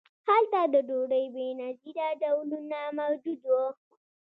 هلته د ډوډۍ بې نظیره ډولونه موجود وو.